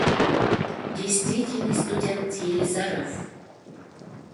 Действительный студент Елизаров.